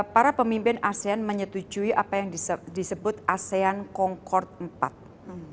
para pemimpin asean menyetujui apa yang disebut asean matters